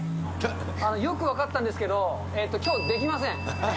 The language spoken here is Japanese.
よく分かったんですけど、きょう、できません。